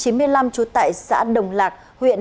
huyện nam nguyên tp hà nội tổ chức lực lượng